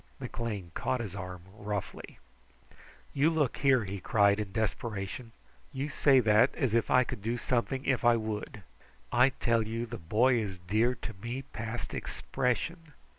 McLean caught his arm roughly. "You look here!" he cried in desperation. "You say that as if I could do something if I would. I tell you the boy is dear to me past expression.